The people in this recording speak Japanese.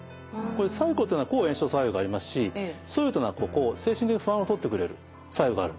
柴胡というのは抗炎症作用がありますし蘇葉というのは精神的不安をとってくれる作用があるんですね。